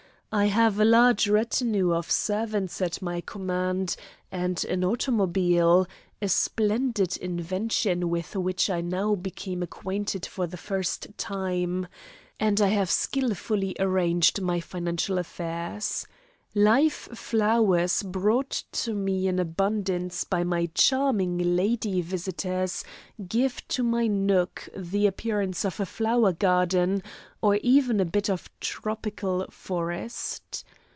I have a large retinue of servants at my command and an automobile a splendid invention with which I now became acquainted for the first time and I have skilfully arranged my financial affairs. Live flowers brought to me in abundance by my charming lady visitors give to my nook the appearance of a flower garden or even a bit of a tropical forest.